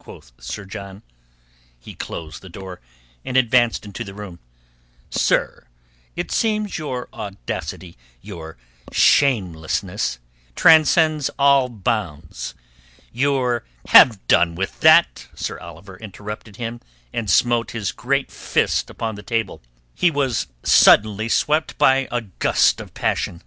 quoth Sir John. He closed the door, and advanced into the room. "Sir, it seems your audacity, your shamelessness, transcends all bounds. Your...." "Have done with that," Sir Oliver interrupted him and smote his great fist upon the table. He was suddenly swept by a gust of passion.